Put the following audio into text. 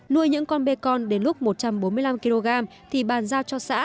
nuôi những con bê con đến lúc một trăm bốn mươi năm kg thì bàn giao cho xã